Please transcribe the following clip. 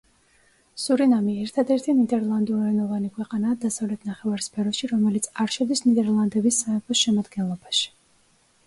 სურინამი ერთადერთი ნიდერლანდურენოვანი ქვეყანაა დასავლეთ ნახევარსფეროში, რომელიც არ შედის ნიდერლანდების სამეფოს შემადგენლობაში.